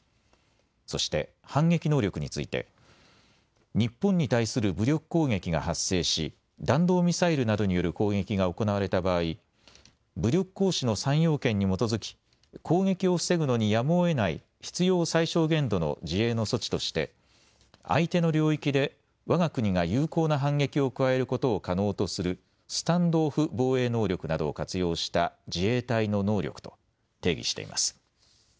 そして反撃能力について日本に対する武力攻撃が発生し弾道ミサイルなどによる攻撃が行われた場合、武力行使の３要件に基づき攻撃を防ぐのにやむをえない必要最小限度の自衛の措置として相手の領域でわが国が有効な反撃を加えることを可能とするスタンド・オフ防衛能力などを活用した自衛隊の能力と定義しています。